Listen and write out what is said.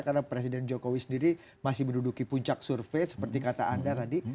karena presiden jokowi sendiri masih menduduki puncak survei seperti kata anda tadi